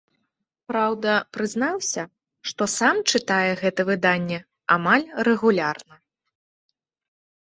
Праўда, прызнаўся, што сам чытае гэта выданне амаль рэгулярна.